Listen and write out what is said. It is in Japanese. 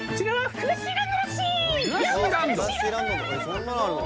「そんなのあんの⁉」